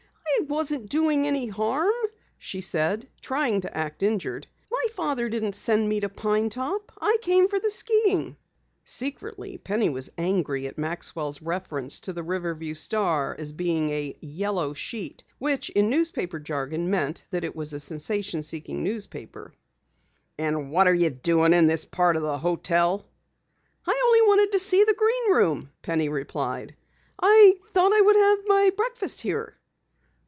"I wasn't doing any harm," she said, trying to act injured. "My father didn't send me to Pine Top. I came for the skiing." Secretly, Penny was angry at Maxwell's reference to the Riverview Star as being a "yellow" sheet, which in newspaper jargon meant that it was a sensation seeking newspaper. "And what are you doing in this part of the hotel?" "I only wanted to see the Green Room," Penny replied. "I thought I would have my breakfast here."